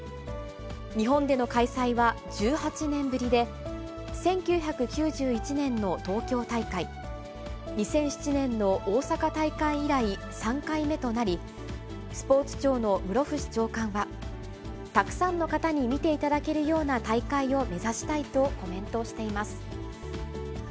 日本での開催は１８年ぶりで、１９９１年の東京大会、２００７年の大阪大会以来、３回目となり、スポーツ庁の室伏長官は、たくさんの方に見ていただけるような大会を目指したいとコメントしています。